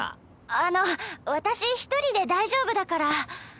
あの私１人で大丈夫だから。